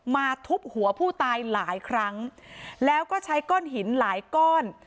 ทุบหัวผู้ตายหลายครั้งแล้วก็ใช้ก้อนหินหลายก้อน